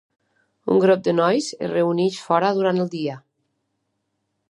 Un grup de nois es reuneix fora durant el dia.